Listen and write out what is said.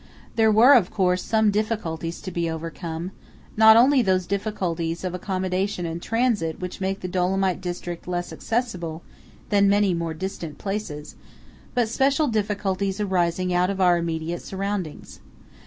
There were, of course, some difficulties to be overcome; not only those difficulties of accommodation and transit which make the Dolomite district less accessible than many more distant places, but special difficulties arising out of our immediate surroundings.